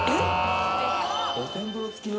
露天風呂付きの。